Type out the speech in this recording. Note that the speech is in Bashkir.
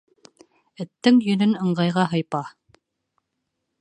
Эттең йөнөн ыңғайға һыйпа.